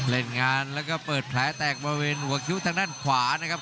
เล่นงานแล้วก็เปิดแผลแตกบริเวณหัวคิ้วทางด้านขวานะครับ